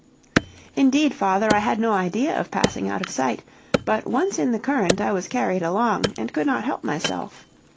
"Indeed, father, I had no idea of passing out of sight, but once in the current, I was carried along, and could not help myself.